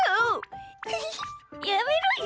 やめろよ！